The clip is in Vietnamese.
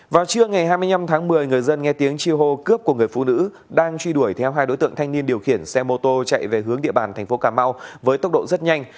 vào trưa ngày hai mươi năm tháng một mươi người dân nghe tiếng chi hô cướp của người phụ nữ đang truy đuổi theo hai đối tượng thanh niên điều khiển xe mô tô chạy về hướng địa bàn thành phố cà mau với tốc độ rất nhanh